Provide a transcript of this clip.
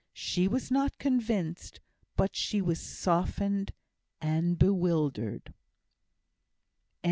She was not convinced, but she was softened and bewildered.